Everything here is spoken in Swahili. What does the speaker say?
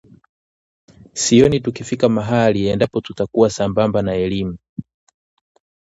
Sioni tukifika mahali endapo tutakuwa sambamba na elimu